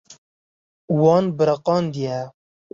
Wan biriqandiye.